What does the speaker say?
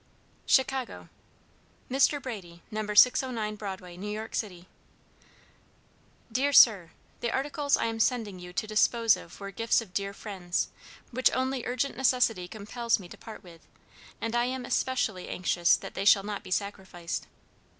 "CHICAGO, . "MR BRADY No 609 Broadway, N.Y. City " DEAR SIR: The articles I am sending you to dispose of were gifts of dear friends, which only urgent necessity compels me to part with, and I am especially anxious that they shall not be sacrificed.